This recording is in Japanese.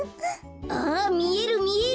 あみえるみえる！